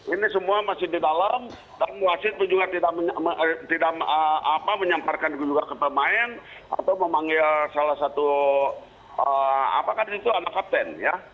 ini semua masih di dalam dan wasit pun juga tidak menyamparkan juga ke pemain atau memanggil salah satu apakah di situ anak kapten ya